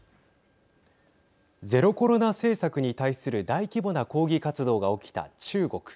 ゼロコロナ政策に対する大規模な抗議活動が起きた中国。